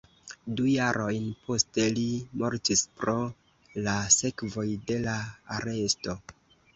Du jarojn poste li mortis pro la sekvoj de la aresto.